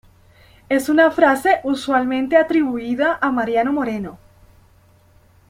Es una frase usualmente atribuida a Mariano Moreno.